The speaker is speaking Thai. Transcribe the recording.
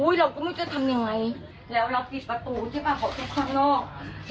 เราก็ไม่รู้จะทำยังไงแล้วเราปิดประตูใช่ป่ะเขาขึ้นข้างนอก